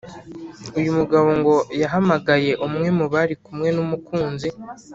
uyu mugabo ngo yahamagaye umwe mu bari kumwe n’umukunzi